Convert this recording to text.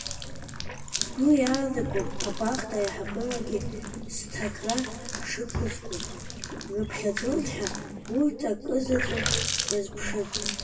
Сгу иаанагом, абахҭа аиҳабырагьы сҭакра шықускуа рыԥхьаӡон ҳәа, урҭ акызаҵәык иазԥшын…